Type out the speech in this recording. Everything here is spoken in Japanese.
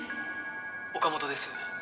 「岡本です」